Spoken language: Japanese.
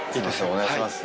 お願いします。